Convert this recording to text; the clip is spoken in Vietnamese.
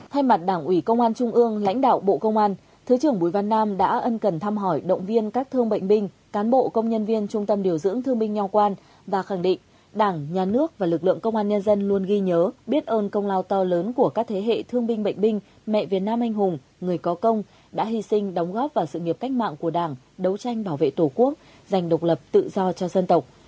thay mặt đảng ủy công an trung ương lãnh đạo bộ công an thứ trưởng bùi văn nam đã ân cần tham hỏi động viên các thương bệnh binh cán bộ công nhân viên trung tâm điều dưỡng thương binh nhòa quan và khẳng định đảng nhà nước và lực lượng công an nhân dân luôn ghi nhớ biết ơn công lao to lớn của các thế hệ thương binh bệnh binh mẹ việt nam anh hùng người có công đã hy sinh đóng góp vào sự nghiệp cách mạng của đảng đấu tranh bảo vệ tổ quốc giành độc lập tự do cho dân tộc